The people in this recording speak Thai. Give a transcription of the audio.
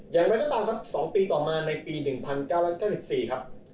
อย่างไรก็ตามครับ๒ปีต่อมาในปี๑๙๙๔ครับ